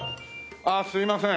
ああすいません。